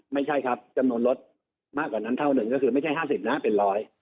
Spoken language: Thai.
ไม่ใช่ครับจำนวนรถมากกว่านั้นเท่าหนึ่งก็คือไม่ใช่๕๐นะเป็นร้อย